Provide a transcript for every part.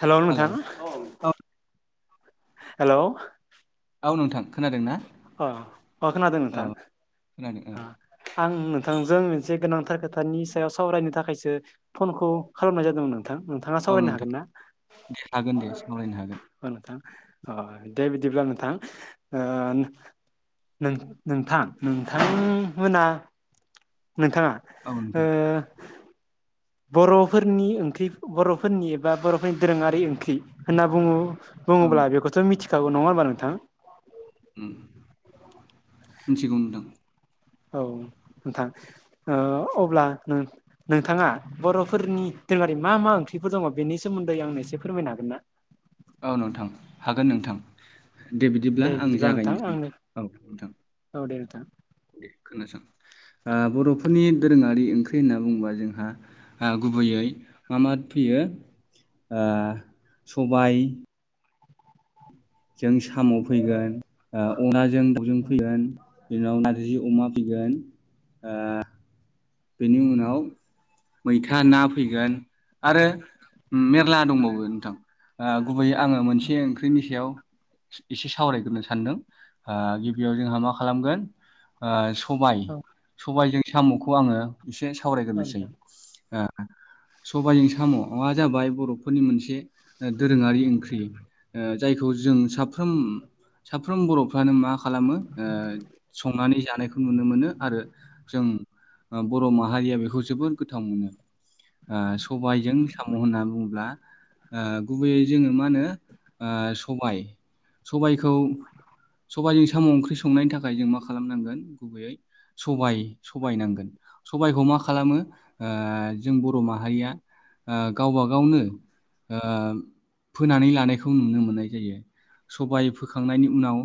Hello नोंथां औ hello. औ नोंथां खोनादों ना। अ अ खोनादों औ नोंथां खोनादों ओ आ आं नोंथांजों मोनसे गोनांथार खोथानि सायाव सावरायनो थाखायसो फनखौ खालामनाय जादोंमोन नोंथां नोंथाङा औ सावरायनो नोंथां हागोन ना हागोन दे सावरायनो हागोन नोंथां अ दे बि बिदिब्ला नोंथां ओ नों नोंथां नोंथां मोना। नोंथाङा औ ओ नोंथां बर'फोरनि ओंख्रि बर'फोरनि एबा बर'फोरनि दोरोङारि ओंख्रि होनना बुङो। औ बुङोब्ला बेखौथ' मिथिखागौ नङा होनबा नोंथां उम मिथिगौ‌ नोंथां। औ नोंथां ओ अब्ला नोंथाङा बर'फोरनि तोलबारि मा मा ओंख्रिफोर दङ बेनि सोमोन्दै आंनो इसे फोरमायनो हागोन ना। औ नोंथां हागोन नोंथां। दे बिदिब्ला आं जागायनिसै औ नोंथां। औ दे नोंथां खोनासं ओ बर'फोरनि दोरोंङारि ओंख्रि होनना बुङोबा जोंहा ओ गुबु गुबैयै मा मा फैयो ओ सबाय। जों साम' फैगोन ओ अनलाजों दावजों फैगोन बिनाव ना। नारजि अमा फिगोन ओ। बिनि उनाव मैथा ना फैगोन। आरो मेरला दंबावो नोंथां गुबैयै आङो मोनसे ओंख्रिनि सायाव। इसे सावरायग्रोनो सानदों ओ गिबियाव जोंहा मा खालामगोन ओ। सबाइ औ सबायजों साम'खौ आंङो इसे औ सावरायग्रोसै नोंथां ओ। [inaudible] सबायजों साम'आ जाबाय बर'फोरनि मोनसे दोरोंङारि ओंख्रि ओ जायखौ जों साफ्रोम साफ्रोम बर'फ्रानो मा खालामो ओ संनानै जानायखौ नुनो मोनो आरो जों ओ बर' माहारिया बेखौ जोबोद गोथाव मोनो। ओ सबायजों साम' होनना बुङोब्ला ओ गुबैयै जोङो मा होनो। ओ सबाय सबायखौ सबाइजों साम' ओंख्रि संनायनि थाखाय जों मा खालामनांगोन गुबैयै सबाय सबाय नांगोन सबायखौ मा खालामो ओ जों बर' माहारिया ओ गावबा गावनो ओ फोनानै लानायखौ नुनो मोननाय जायो। सबाय फोखांनायनि उनाव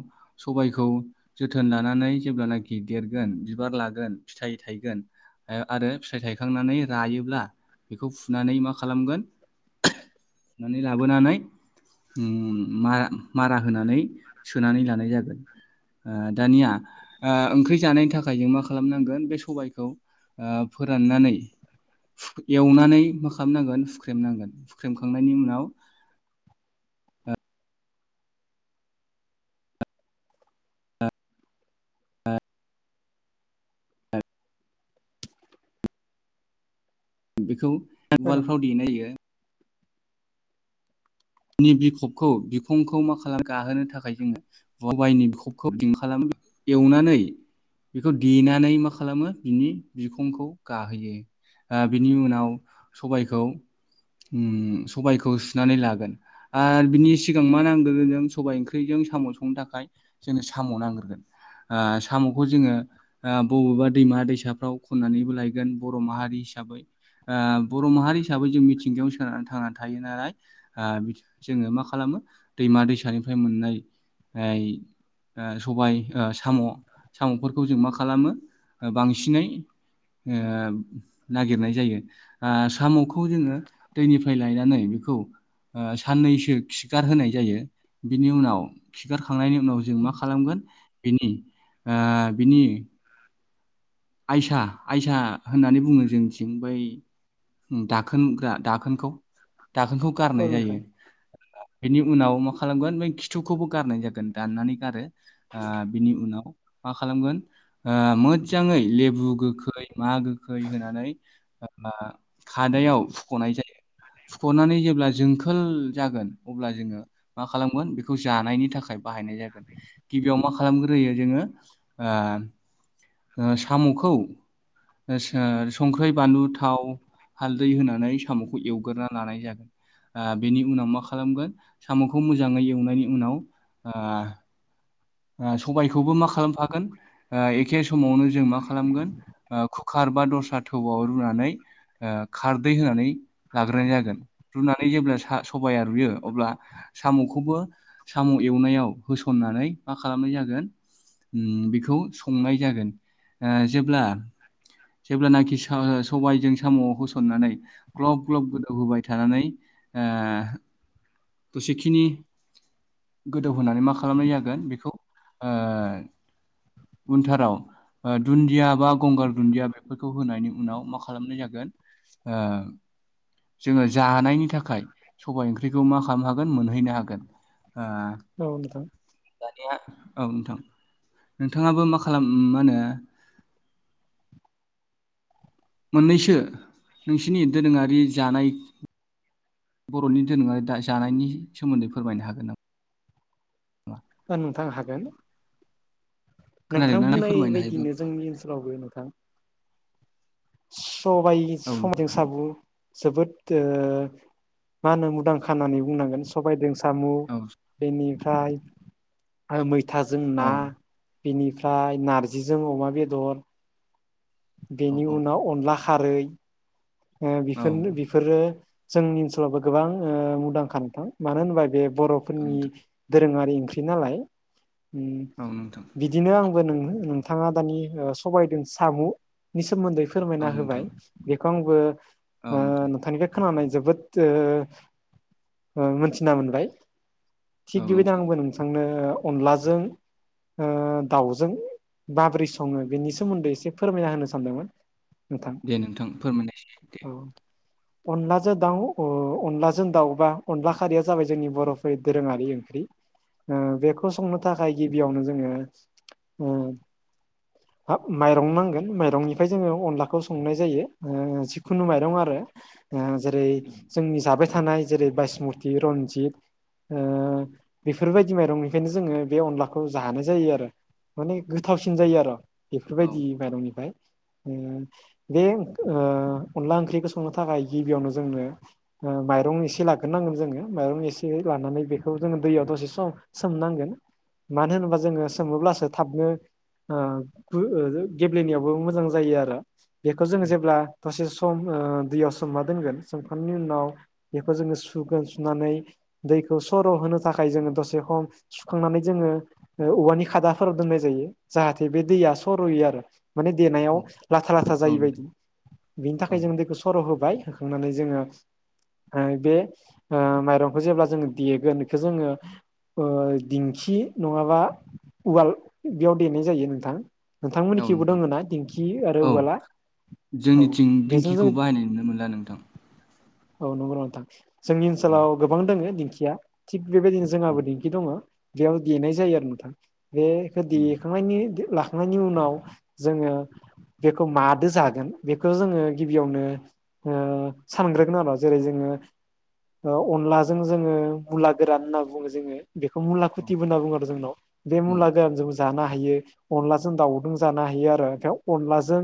सबायखौ जोथोन लानानै जेब्लानाखि देरगोन बिबार लागोन फिथाइ थायगोन ओ आरो फिथाइ थायखांनानै रायोब्ला बेखौ फु नानै मा खालामगोन फुनानै लाबोनानै ओम मा- मारा होनानै सोनानै लानाय जागोन ओ दानिया ओ ओंख्रि जानायनि थाखाय जों मा खालामनां गोन बे सबायखौ ओ फोराननानै एवनानै मा खामनांगोन सुख्रेमनांगोन सुख्रेमखांनायनि उनाव [inaudible] बेखौ औ नोंथां उवालफ्राव देना होयो नि बिखबखौ बिखंखौ मा खालाम गाहोनो थाखाय जोङो सबायनि [unintelligible] एवनानै बेखौ देनानै मा खालामो बिनि बिखंखौ गाहोयो। दा बिनि उनाव सबायखौ ओम सबायखौ सुनानै लागोन। आर बिनि सिगां मा नांग्रोगोन जों सबाय ओंख्रिजों साम' संनो थाखाय जोंनो साम' नांग्रोगोन। ओ साम'खौ जोंङो ओ बबेबा दैमा दैसाफ्राव खननानैबो लायगोन बर' माहारि हिसाबै। ओ बर' माहारि हिसाबै जों मिथिंगायावनो सोनारनानै थांनानै थायो नालाय ओ जोङो मा खालामो दैमा दैसानिफ्राय मोननाय आय ओ सबाय ओ साम' साम'फोरखौ जों मा खालामो ओ बांसिनै ओ नागिरनाय जायो ओ साम'खौ जोङो दैनिफ्राय लायनानै बिखौ ओस साननैसो खिगार होनाय जायो बिनि उनाव खिगारखांनायनि उनाव जों मा खालामगोन बिनि ओ बिनि आइसा आइसा होननानै बुङो जोंनिथिं बै दाखोनग्रा दाखोनखौ दाखोनखौ औ गारनाय जायो। नोंथां बेनि उनाव मा खालामगोन बे खिथुखौबो गारनाय जागोन दाननानै गारो ओ बिनि उनाव मा खालामगोन ओ मोजाङै लेबु गोखै मा गोखै होनानै ओ खादायाव फुख'नाय जायो फुख'नानै जेब्ला जोंखोल जागोन अब्ला जोङो मा खालामगोन बेखौ जानायनि थाखाय बाहायनाय जागोन गिबियाव मा खालामग्रोयो जोङो ओ [unintelligible] साम'खौ ओ संख्रि बानलु थाव हालदै होनानै साम'खौ एवगोरना लानाय जागोन। ओ बेनि उनाव मा खालामगोन साम'खौ मोजाङै एवनायनि उनाव ओ ओ सबायखौबो मा खालामफागोन ओ एखे समावनो जों मा खालामगोन ओ कुकार बा दस्रा थौआव रुनानै ओ खारदै होनानै लाग्रोनाय जागोन रुनानै जेब्ला सबाया रुइयो अब्ला साम'खौबो साम' एवनायाव होसननानै मा खालामनाय जागोन ओम बेखौ संनाय जागोन ओ जेब्ला जेब्लानाखि सा-सबायजखौ साम'आव होसननानै ग्लब ग्लब गोदौहोबाय थानानै ओ द'सेखिनि गोदौहोनानै मा खालामनाय जागोन बेखौ ओ उनथाराव दुनदिया बा गंगार दुनदिया बेफोरखौ होनायनि उनाव मा खालामनाय जागोन ओ जोङो जानायनि थाखाय थाखाय स'बाय ओंख्रिखौ मा खालामनो हागोन मोनहैनो हागोन। ओ औ नोंथां औ नोंथां नोंथाङाबो मा खालाम मा होनो [inaudible] मोननैसो नोंसिनि दोरोङारि जानाय। बर'नि दोरोङारि दा जानायनि सोमोनदै फोरमायनो हागोन नामा? ओ नोंथां हागोन नोंथां खोनादोंना एसे बुंनाय फोरमायनो हायोब्ला बायदिनो फोरमाय। जोंनि ओनसोलावबो नोंथां सबायाइ औ नोंथां सबाइजों साम' जोबोद ओ मा होनो मुंदांखा होननानै बुंनांगोन सबाइदों साम' औ बेनिफ्राय मैथाजों ना बेनिफ्राय नारजिजों अमा बेदर औ बेनि औ उनाव अनला खारै बेफोर ओ औ बेफोरनो बेफोरो जोंनि ओनसोलावबो गोबां ओ मुंदांखा नोंथां मानो होनोबा बे बर'फोरनि नोंथां दोरोङारि ओंख्रि नालाय ओम औ नोंथां बिदिनो आंबो नोंनो नोंथांनो नोंथाङा दानि सबायजों सामु'नि सोमोन्दै फोरमायना औ होबाय नोंथां बेखौ आंबो ओ औ नोंथां नोंथांनिफ्राय खोनानानै जोबोद ओ ओ मोनथिना मोनबाय थिग औ बेबायदि नोंथां आंबो नोंथांनो अनलाजों ओ दाउजों माब्रै सङो बेनि सोमोनदै एसे फोरमायना होनो सानदोंमोन नोंथां दे नोंथां फोरमायनायसाय दे औ अनलाजों दाउ ओ अनलाजों दाउबा अनला खारिया जाबाय जोंनि बर'फोर दोरोङारि ओंख्रि ओ बेखौ संनो थाखाय गिबियावनो जोङो ओ हाब माइरं नांगोन माइरंनिफ्राय जोङो अनलाखौ औ संनाय जायो ओ जिखुनु माइरं आरो ओ जेरै जोंनि जाबाय थानाय थानाय जेरै बायासमुति रनजित ओ बेफोरबायदि माइरंनिफ्रायनो जोङो बे अनलाखौ जानाय जायो आरो माने गोथावसिन जायो आरो औ बेफोरबायदि माइरंनिफ्राय ओ बे ओ अनला ओंख्रिखौ संनो थाखाय गिबियावनो जोंनो माइरं ओ एसे लाग्रोनांगोन जोङो माइरं एसे लानानै बेखौ जोङो दैयाव दसे सम सोमनांगोन मानो होनोबा जोङो सोमङोब्लासो थाबनो ओ गेब्लेनायावबो मोजां जायो आरो बेखौ जों जेब्ला दसे सम मा दोनगोन सोमखांनायनि उनाव बेखौ जोङो सुगोन सुनानै दैखौ सर' होनो थाखाय जोङो दसे सम सुखांनानै जोङो औवानि खादाफोराव दोननाय जायो जाहाथे बे दैया सर'यो आरो माने देनायाव औ लाथा लाथा औ जायि बायदि नोंथां बिनि औ थाखाय जों दैखौ सर' होबाय होखांनानै जोङो ओ बे ओ माइरंखौ जेब्ला जोङो देगोन बेखौ जोङो ओ दिंखि नङाबा उवाल बेयाव देनाय जायो नोंथां औ नोंथांमोननिथिंबो नोंथां दङ ना दिंखि आरो उवाला औ आं बेजों जों दिंखिखौ बाहायनाय नुनो मोनला नोंथां औ नंगौ नोंथां जोंनि औ ओनसोलाव गोबां दङ दिंखिया थिग बेबायदिनो औ जोंहाबो दिंखि दङ बेयाव देनाय जायो आरो नोंथां बेखौ देखांनायनि लाखांनायनि उनाव जोङो बेखौ मादो जागोन बे खौ जोङो गिबियावनो सानग्रोगोन आरो जेरै जोङो अनलाजों जोङो मुला गोरान होनना बुङो जोङो बेखौ मुला औ खुथि होनना बुङो आरो जोंनाव बे औ मुला गोरान जों जानो हायो अनलाजों दाउदों जानो हायो आरो ओमफ्राय अनलाजों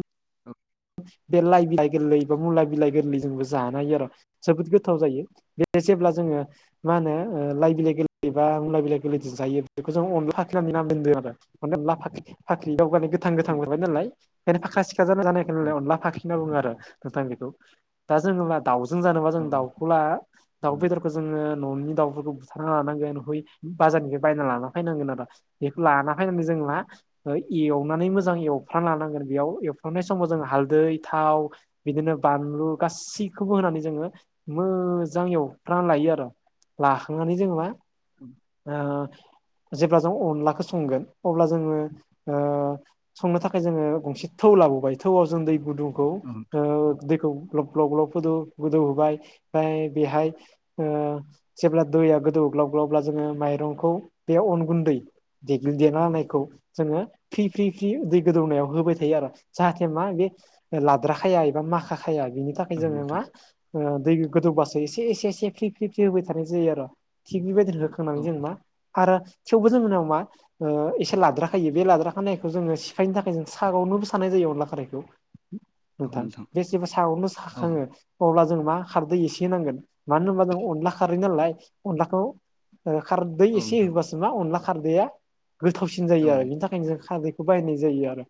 बे लाइ बिलाइ गोरलै बा मुला बिलाइ गोरलै जोंबो जानो हायो आरो जोबोद गोथाव जायो बे जेब्ला जोङो मा होनो ओ लाइ बिलाइ गोरलै बा मलइ बिलाइ गोरलै जायो बेखौ जों अनलाफाख्रि [unintelligible] फाख्रि दाव गोथां गोथां बबाय नालाय बेखायनो फाखरा सिखरा जाबानाय जानायाय औ नालाय अनला फाख्रि होनना बुङो आरो नोंथां बेखौ दा जोङब्ला दाउजों जानोबा जों औ दाउखौला दाउ बेदरखौ जोङो न'नि दाउफोरखौ बुथारना लानांगोनय बाजारनिफ्राय बायना लाना फैनांगोन आरो बेखौ लाना फैनानै जों ला ऐ एवनानै मोजां एवफ्रा लानांगोन बेयाव एवफ्रामनाय समाव जों हालदै थाव बिदिनो बानलु गासैखौबो होनानै जोङो मो मोजां एवफ्रानानै लायो आरो लाखांनानै जोङो मा ओ जेब्ला जों अनलाखौ संगोन अब्ला जोङो ओ संनो थाखाय जोङो गंसे थौ लाबोबाय थौआव जों दै गुदुंखौ औ दैखौ ग्लब ग्लब ग्लबदौ गोदौ होबाय ओमफ्राय बेहाय जेब्ला दैया गोदौ ग्लब ग्लब जोङो माइरंखौ बे अन गुन्दैे देना होनायखौ जोङो फ्रि फ्रि फ्रि दै गोदौनायाव होबाय थायो आरो जाहाथे मा बे लाद्राखाया एबा माखा खाया बिनि थाखाय जोङो मा नोंथां ओ दै गोदौ बासो एसे एसे एसे फ्रि फ्रि फ्रि होबाय थानाय जायो आरो थिग बेबायदिनो होनानै औ जोंमा आरो थेवबो जों उनाव मा ओ एसे लाद्राखायो बे लाद्राखानायखौ जोङो सिफायनो थाखाय जों सागजोंबो साननाय जायो अनलाला खारैखौ नोंथां बेसेबा सागंजों औ साखांङो अब्ला जों मा खारदै एसे होनांगोन मानो होनबा जों अनला खारै नालाय अनलाखौ ओ खारदै औ एसे नोंथां होबासो मा अनला खारदैया गोथावसिन औ जायो आरो बेनि थाखायनो जों खारदैखौ बाहायनाय जायो आरो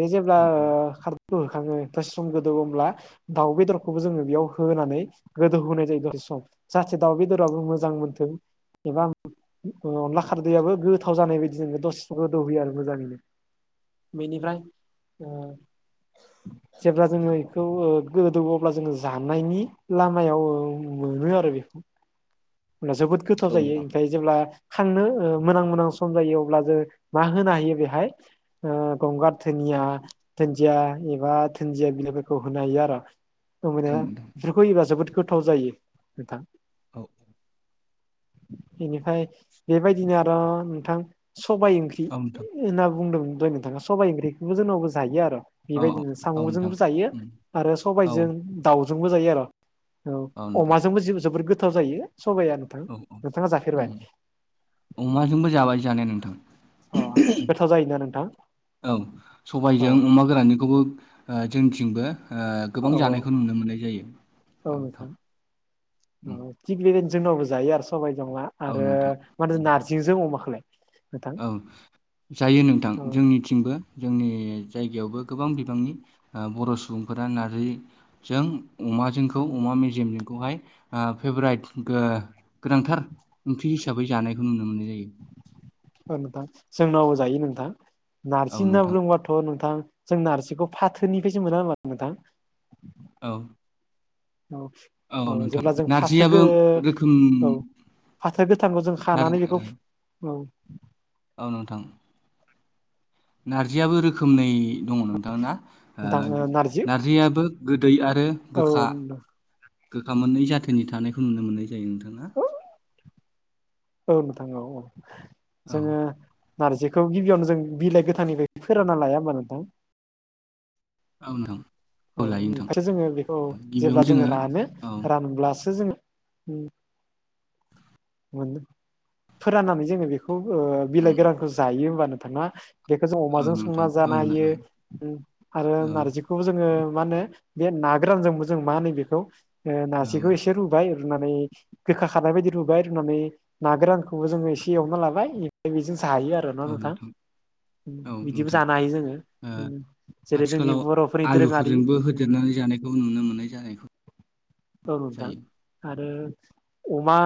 बे जेब्ला औ खार दै होखाङो दसे सम गोदौ होमब्ला दाउ बेदरखौबो जोङो बेयाव होनानै गोदौ होनाय जायो दसे सम जाहाथे दाउ बेदराबो मोजां मोनथों एबा ओ अनला खारदैयाबो गोथाव जानाय बायदिनो दसे गोदौहोयो आरो मोजाङैनो बेनिफ्राय ओ जेब्ला जोङो बेखौ ओ गोदौ अब्ला जोङो जानायनि लामायाव मोनो आरो बेखौ होनब्ला जोबोद गोथाव औ जायो नोंथां औ ओमफ्राय जेब्ला खांनो ओ मोनां मोनां सम जायो अब्ला जों मा होनो हायो बेहाय गंगार धोन दोनिया दोनजिया एबा धोनजिया बिलाइफोरखौ होनो हायो आरो ओमानिया नोंथां बेफोरखौ होयोबा जोबोद गोथाव जायो नोंथां औ बेनिफ्राय बेबायदिनो आरो' नोंथां सबायाइ ओंख्रि औ नोंथां होनना बुंदों दहय नोंथाङा सबाइ ओंख्रिखौबो जोंनावबो जायो आरो औ बेबायदिनो औ नोंथां साम'जोंबो जायो उम आरो सबाय औ दाउजोंबो जायो आर'। औ अमाजोंबो जो-जोबोद गोथाव जायो। सबाइया नोंथां औ औ नोंथाङा जाफेरबाय उम अमाजोंबो जाबाय जानाया नोंथां। अ गोथाव जायोना नोंथां औ औ सबायजों अमा गोराननिखौबो ओ जोंथिंबो ओ गोबां औ जानायखौ नुनो मोननाय जायो नोंथां उम। औ थिग बेबायदिनो जोंनावबो जायो आरो सबाइजों अमा औ आरो नोंथां मा होनो उम नारजिजों अमाखोलाय? औ जायो नोंथां औ जोंनिथिंबो जोंनि जायगायावबो गोबां बिबांनि ओ बर' सुबुंफोरा नार्जिजों अमाजोंखौ औ अमा मेजेमजोंखौहाय फेभराइट गो-गोनांथार ओंख्रि हिसाबै जानायखौ नुनो मोननाय जायो। ओं नोंथां जोंनाव जायो नोंथां औ नारजिना नोंथां बुंबाथ' नोंथां जों नारजिखौ फाथोनिफ्रायसो मोना होमबा नोंथां? औ। औ औ नोंथां जेब्ला जों फाथोगो नारजियाबो रोखोम औ। फाथो गोथांखौ जों खानानै बेखौ फ औ। ओं नोंथां। नारजियाबो रोखोमनै दङ नोंथांना ओ नोंथां ओ नारजि नारजियाबो दै आरो औ गोखा गोखा मोननै जाथोनि थानायखौ नुनो मोननाय जायो नोंथा ना? औ नोंथां औ औ औ जोङो नारजिखौ गिबियावनो जों बिलाइ गोथांनिफ्राय फोरानना लाया होमबा नोंथां? ओं नोंथां। औ लायो नोंथां बेफ्राय जोङो बेखौ जेब्ला जोङो रानो औ रानब्लासो जोङो उम। मोने फोराननानै जोङो बेखौ ओ बिलाइ उम गोरानखौ जायो होमबा नोंथां ना? बेखौ जों औ अमाजों संना नोंथां औ जानो हायो नोंथां उम आरो औ नारजिखौबो जोङो मा होनो बे ना गोरानजोंबो जों मा होनो बेखौ ओ औ नारजिखौ एसे रुबाय रुनानै गोखा खारनाय बायदि रुबाय रुनानै ना गोरानखौबो जोङो एसे एवना लाबाय एमफाय एजों [unintelligible] जायो आरो ना नोंथां। उम औ बिदिबो नोंथां जानो हायो जोङो ओ उम जेरै जोंनि बर'फोरनि दोरोङारि उम । बिदि जानायखौ नुनो मोननाय जानायखौ औ नोंथां जायो आरो अमा